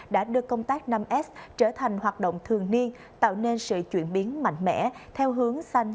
đã đưa công tác năm s trở thành hoạt động thường niên tạo nên sự chuyển biến mạnh mẽ theo hướng xanh